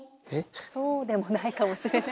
そうでもないかもしれない。